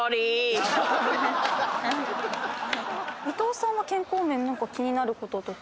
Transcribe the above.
伊藤さんは健康面何か気になることとか。